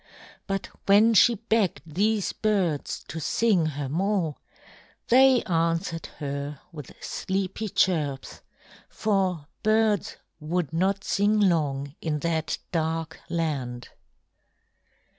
But when she begged these birds to sing her more, they answered her with sleepy chirps, for birds would not sing long in that dark land.